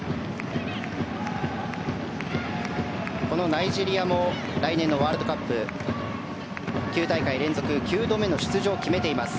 ナイジェリアも来年のワールドカップに９大会連続９度目の出場を決めています。